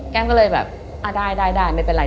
แก้มก็เลยแบบได้ไม่เป็นไร